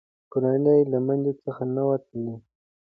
کورنۍ یې له میوند څخه نه وه تللې.